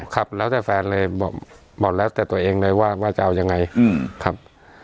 ครับแล้วแต่แฟนเลยบอกแล้วแต่ตัวเองเลยว่าจะเอายังไงครับ